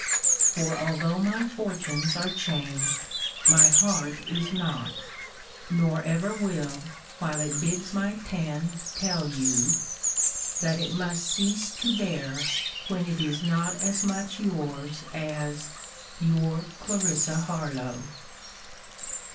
For although my fortunes are changed, my heart is not: Nor ever will, while it bids my pen tell you, that it must cease to bear, when it is not as much yours as Your CL. HARLOWE.